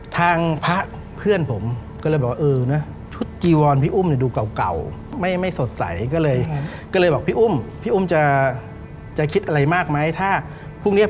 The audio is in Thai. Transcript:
การศึกต้องตินตีห้านะ